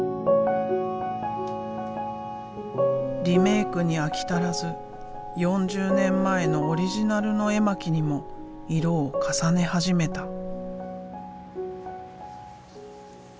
リメイクに飽き足らず４０年前のオリジナルの絵巻にも色を重ね始めた。